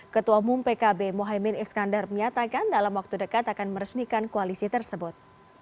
ketua umum pkb mohaimin iskandar menyatakan dalam waktu dekat akan meresmikan koalisi tersebut